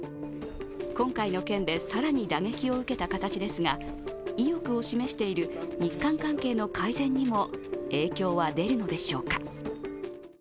今回の件で更に打撃を受けた形ですが、意欲を示している日韓関係の改善にも影響は出るのでしょうか。